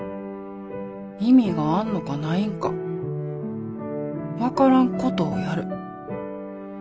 意味があんのかないんか分からんことをやる。